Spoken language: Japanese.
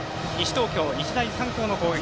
東京、日大三高の攻撃。